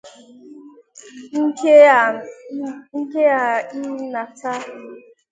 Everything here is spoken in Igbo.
nke na ị na-ata